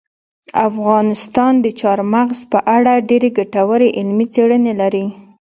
افغانستان د چار مغز په اړه ډېرې ګټورې علمي څېړنې لري.